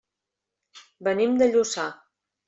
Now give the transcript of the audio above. Venim de Lluçà.